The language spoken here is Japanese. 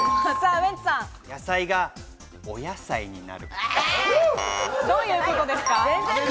野菜がお野菜になる。